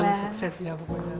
selalu sukses ya bukannya